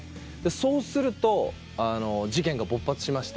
そうすると事件が勃発しまして。